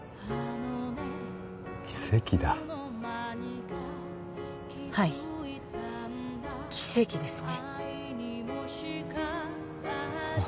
奇跡だはい奇跡ですね